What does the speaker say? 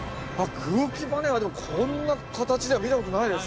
空気バネはでもこんな形では見たことないです。